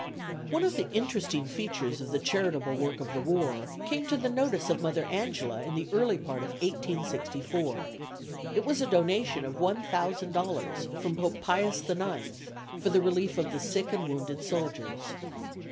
One of the interesting features of the charitable work of the war came to the notice of Mother Angela in the early part of 1864. It was a donation of $1000 from Pope Pius the IX for the relief of the sick and wounded soldiers.